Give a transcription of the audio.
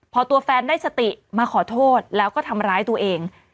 พอตัวแฟนได้สติมาขอโทษแล้วก็ทำร้ายตัวเอง